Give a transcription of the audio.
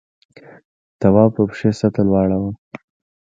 تواب په پښې سطل واړاوه.